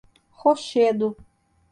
Rochedo